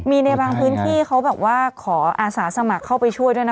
มีในบางพื้นที่เขาแบบว่าขออาสาสมัครเข้าไปช่วยด้วยนะ